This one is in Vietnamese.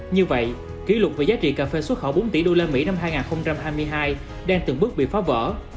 như vậy kỷ lục về giá trị cà phê xuất khẩu bốn tỷ usd năm hai nghìn hai mươi hai đang từng bước bị phá vỡ